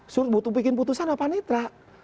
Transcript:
suruh bikin putusan apaan nitra